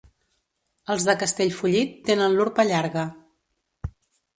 Els de Castellfollit tenen l'urpa llarga.